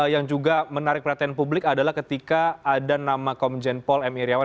yang juga menarik perhatian publik adalah ketika ada nama komisian pol emi riawan